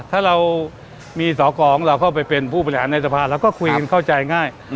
ถ้าเรามีสอกรของเราเข้าไปเป็นผู้บริหารในสภาเราก็คุยกันเข้าใจง่าย